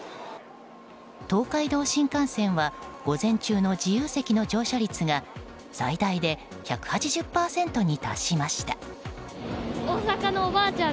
東海道新幹線は午前中の自由席の乗車率が最大で１８０％に達しました。